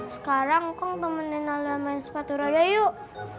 sekarang kukong temenin ala main sepatu roda yuk